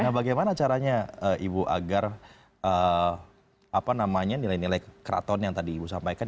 nah bagaimana caranya ibu agar nilai nilai keraton yang tadi ibu sampaikan